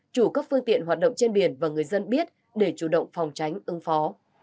chủ các phương tiện hoạt động trên biển và người dân biết để chủ động phòng tránh ứng phó